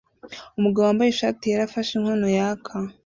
Umugabo wambaye ishati yera afashe inkono yaka